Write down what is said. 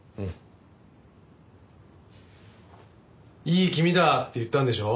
いい気味だって言ったんでしょ？